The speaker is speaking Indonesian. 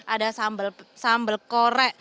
ada sambel kore